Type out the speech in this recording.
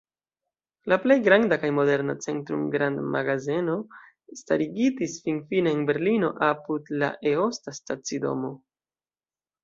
La plej granda kaj moderna Centrum-grandmagazeno starigitis finfine en Berlino apud la Eosta stacidomo.